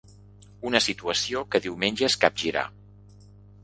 Una situació que diumenge es capgirà.